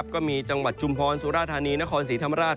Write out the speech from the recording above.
ก็มีจังหวัดชุมพรสุราธานีนครศรีธรรมราช